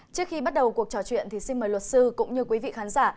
trước khi bắt đầu cuộc trò chuyện thì xin mời luật sư cũng như quý vị khán giả